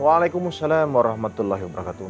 waalaikumsalam warahmatullahi wabarakatuh